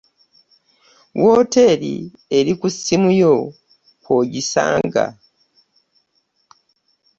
Wooteeri eri ku ssimu yo kw'ogisanga